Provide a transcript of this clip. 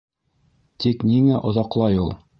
Тик ниңә оҙаҡлай ул?